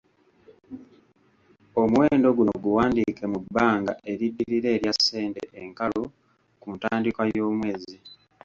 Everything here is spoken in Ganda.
Omuwendo guno guwandiike mu bbanga eriddirira erya ssente enkalu ku ntandikwa y’omwezi.